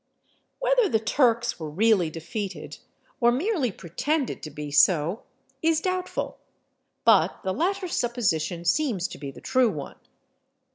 Whether the Turks were really defeated, or merely pretended to be so, is doubtful; but the latter supposition seems to be the true one.